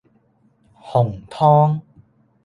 紅湯